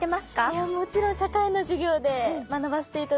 いやもちろん社会の授業で学ばせて頂きました。